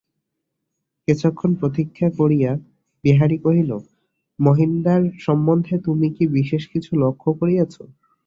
কিছুক্ষণ প্রতীক্ষা করিয়া বিহারী কহিল, মহিনদার সম্বন্ধে তুমি কি বিশেষ কিছু লক্ষ্য করিয়াছ।